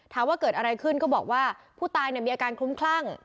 ถามว่าเกิดอะไรขึ้นก็บอกว่าผู้ตายมีอาการคลุ้มคลั่ง